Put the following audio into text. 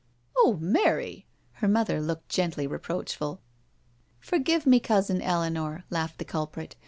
" Oh, Mary I" Her mother looked gently reproach ful. " Forgive me. Cousin Eleanor," laughed the culprit.